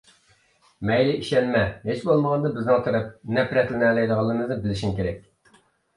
مەيلى ئىشەنمە، ھېچبولمىغاندا بىزنىڭ نەپرەتلىنەلەيدىغىنىمىزنى بىلىشىڭ كېرەك.